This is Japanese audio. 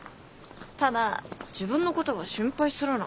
ただ「自分のことは心配するな。